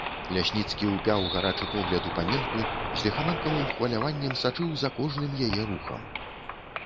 Лясніцкі ўпяў гарачы погляд у паненку, з ліхаманкавым хваляваннем сачыў за кожным яе рухам.